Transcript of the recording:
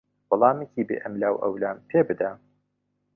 وەڵامێکی بێ ئەملاوئەولام پێ بدە.